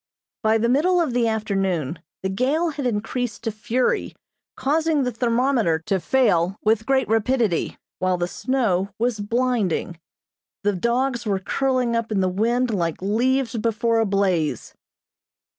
By the middle of the afternoon the gale had increased to fury, causing the thermometer to fall with great rapidity, while the snow was blinding. The dogs were curling up in the wind like leaves before a blaze.